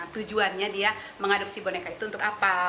tujuannya dia mengadopsi boneka itu untuk apa